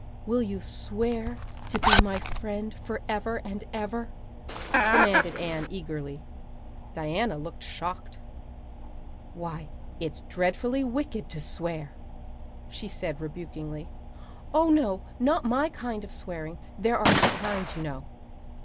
"Will you swear to be my friend forever and ever?" demanded Anne eagerly. Diana looked shocked. "Why it's dreadfully wicked to swear," she said rebukingly. "Oh no, not my kind of swearing. There are two kinds, you know."